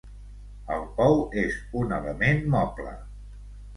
El pou és un element moble.